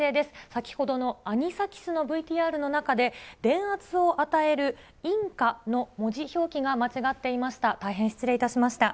先ほどのアニサキスのＶＴＲの中で、電圧を与えるいんかの文字表記が間違っていました。